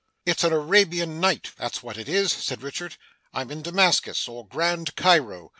'It's an Arabian Night; that's what it is,' said Richard. 'I'm in Damascus or Grand Cairo.